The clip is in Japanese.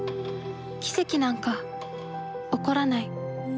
奇跡なんか起こらない。